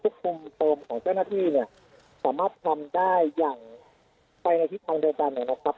คุมโฟมของเจ้าหน้าที่เนี่ยสามารถทำได้อย่างไปในทิศทางเดียวกันนะครับ